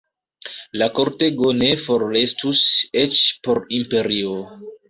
La kortego ne forrestus, eĉ por imperio.